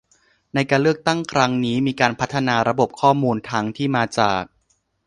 ในการเลือกตั้งครั้งนี้มีการพัฒนาระบบข้อมูลทั้งที่มาจาก